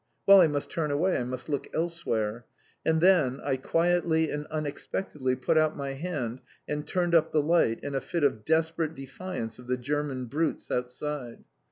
Well, I must turn away, I must look elsewhere. And then I quietly and unexpectedly put out my hand and turned up the light in a fit of desperate defiance of the German brutes outside.